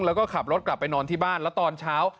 แล้วก็ขับรถกลับไปนอนที่บ้านแล้วตอนเช้า